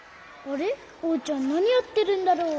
おうちゃんなにやってるんだろう？